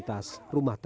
sejak kembali ke rumahnya